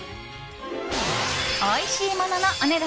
おいしいもののお値段